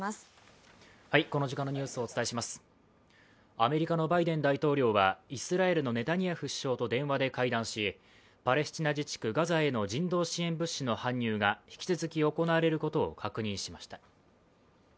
アメリカのバイデン大統領はイスラエルのネタニヤフ首相と電話で会談しパレスチナ自治区ガザへの人道支援物資の搬入が引き続き行われることを確認しました。